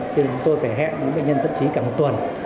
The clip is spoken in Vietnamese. cho nên chúng tôi phải hẹn bệnh nhân thất trí cả một tuần